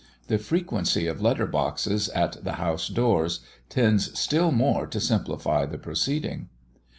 The frequency of letter boxes at the house doors tends still more to simplify the proceeding.